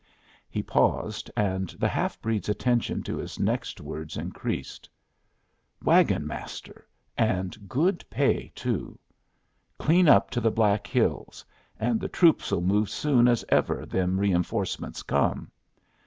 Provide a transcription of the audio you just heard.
He paused, and the half breed's attention to his next words increased. "Wagon master, and good pay, too. Clean up to the Black Hills; and the troops'll move soon as ever them reinforcements come.